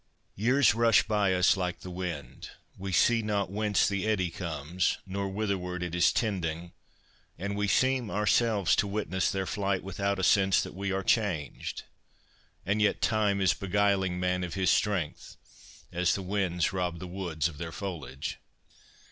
Years rush by us like the wind. We see not whence the eddy comes, nor whitherward it is tending, and we seem ourselves to witness their flight without a sense that we are changed; and yet Time is beguiling man of his strength, as the winds rob the woods of their foliage.